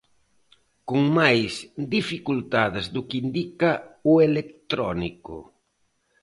Con máis dificultades do que indica o electrónico.